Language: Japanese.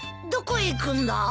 どこへ行くんだ？